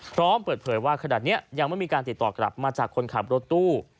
พร้อมเปิดเผยว่าขนาดนี้ยังไม่มีการติดต่อกลับมาจากคนขับรถตู้